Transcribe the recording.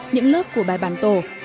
những lớp của bài bản tổ